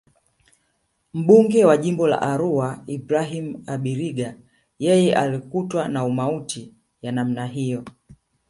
Mbunge wa Jimbo la Arua Ibrahim Abiriga yeye alikutwa na mauti ya namna hiyo